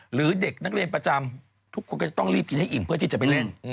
หรือเด็กนักเรียนประจำทุกคนก็จะต้องรีบกินให้อิ่มเพื่อที่จะไปเล่น